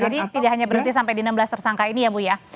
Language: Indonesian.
jadi tidak hanya berarti sampai di enam belas tersangka ini ya bu ya